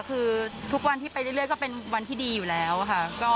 คือทุกวันที่ไปเรื่อยก็เป็นวันที่ดีอยู่แล้วค่ะ